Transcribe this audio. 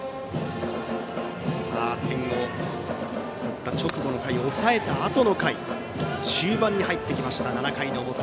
点を取った直後の回抑えたあとの回終盤に入ってきました、７回の表。